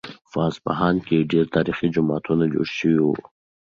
په اصفهان کې ډېر تاریخي جوماتونه جوړ شوي وو.